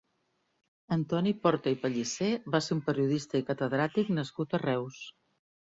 Antoni Porta i Pallissé va ser un periodista i catedràtic nascut a Reus.